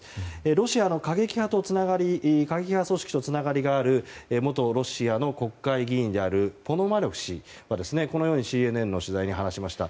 ロシアの過激派組織とつながりがある元ロシアの国会議員であるポノマリョフ氏はこのようにＣＮＮの取材に話しました。